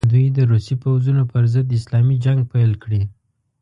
دوی د روسي پوځونو پر ضد اسلامي جنګ پیل کړي.